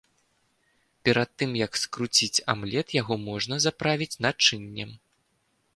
Перад тым, як скруціць амлет, яго можна заправіць начыннем.